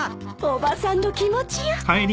おばさんの気持ちよ。